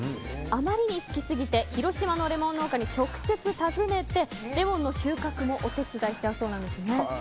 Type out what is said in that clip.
あまりに好きすぎて広島のレモン農家に直接、訪ねてレモンの収穫もお手伝いしちゃうそうなんですね。